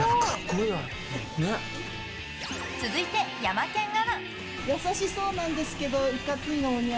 続いてヤマケンアナ。